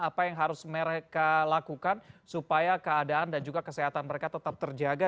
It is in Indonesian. apa yang harus mereka lakukan supaya keadaan dan juga kesehatan mereka tetap terjaga